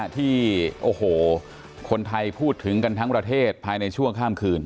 ที่โอ้โหคนไทยพูดถึงกันทั้งประเทศภายในช่วงข้ามคืน